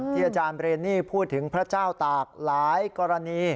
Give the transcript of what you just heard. อาจารย์เรนนี่พูดถึงพระเจ้าตากหลายกรณี